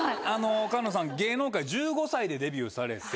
菅野さん芸能界１５歳でデビューされて。